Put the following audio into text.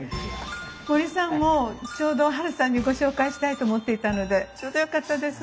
森さんもちょうどハルさんにご紹介したいと思っていたのでちょうどよかったです。